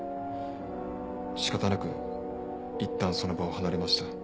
仕方なくいったんその場を離れました。